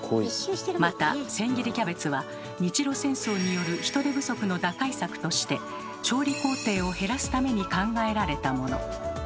また千切りキャベツは日露戦争による人手不足の打開策として調理工程を減らすために考えられたもの。